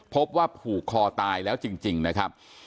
พบว่าผูกคอตายแล้วจริงนะครับ